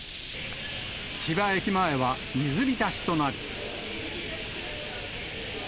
千葉駅前は水浸しとなり。